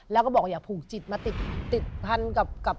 แล้วก็บอกอย่าผูกจิตมาติดพันกับ